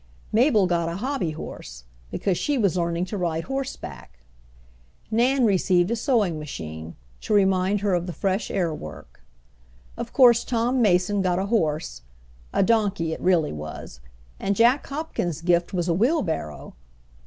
Mabel got a hobby horse because she was learning to ride horseback. Nan received a sewing machine, to remind her of the fresh air work. Of course Tom Mason got a horse a donkey it really was; and Jack Hopkins' gift was a wheelbarrow.